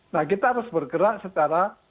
nah kita harus bergerak secara